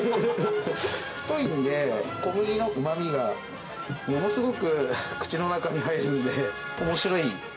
太いので、小麦のうまみがものすごく口の中に入るので、おもしろい。